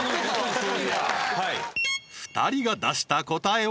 そういや２人が出した答えは？